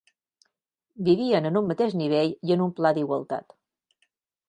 Vivien en un mateix nivell i en un pla d'igualtat